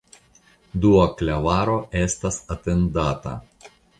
Dua klavaro estas atendata.